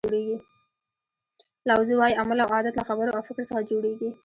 لاو زو وایي عمل او عادت له خبرو او فکر څخه جوړیږي.